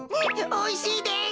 おいしいです。